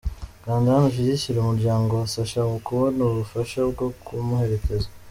Kanda hano ushyigikire umuryango wa Sacha mu kubona ubufasha bwo kumuherekeza